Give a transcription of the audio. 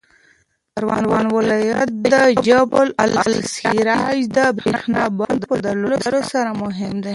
پروان ولایت د جبل السراج د برېښنا بند په درلودلو سره مهم دی.